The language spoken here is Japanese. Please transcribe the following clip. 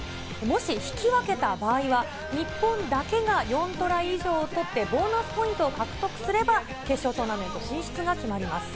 もし引き分けた場合、日本だけが４トライ以上を取ってボーナスポイントを獲得すれば決勝トーナメント進出が決まります。